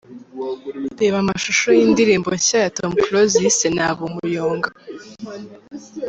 Reba amashusho y’indirimbo nshya ya Tom Close yise ‘Naba Umuyonga’.